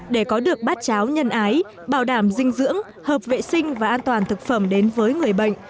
để có được bát cháo nhân ái bảo đảm dinh dưỡng hợp vệ sinh và an toàn thực phẩm đến với người bệnh